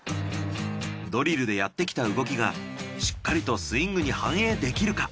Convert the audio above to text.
ドリルでやってきた動きがしっかりとスイングに反映できるか？